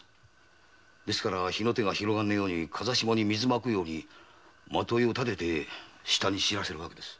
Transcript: ですから火が広がらねえように風下に水を撒くように纏をたてて下に知らせるわけです。